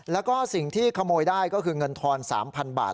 แล้วก็สิ่งที่ขโมยได้ก็คือเงินทอน๓๐๐บาท